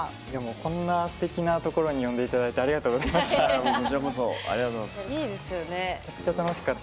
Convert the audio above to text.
こんな、すてきなところに呼んでいただいてありがとうございました。